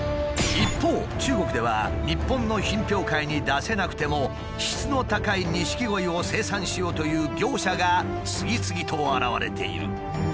一方中国では日本の品評会に出せなくても質の高い錦鯉を生産しようという業者が次々と現れている。